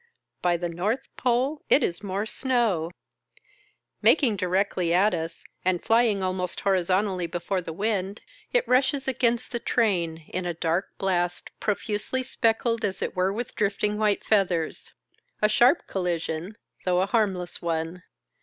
By the North Pole it is more snow ! Making directly at us, and flying almost Vol. VIII.— No. 200 horizontally before the wind, it rushes against the train, in a dark blast profusely speckled as it were with drifting white feathers. A sharp collision, though a harmless one